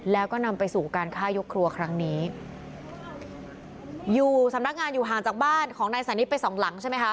แล้วก็นำไปสู่การฆ่ายกครัวครั้งนี้อยู่สำนักงานอยู่ห่างจากบ้านของนายสานิทไปสองหลังใช่ไหมคะ